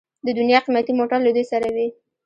د دنیا قیمتي موټر له دوی سره وي.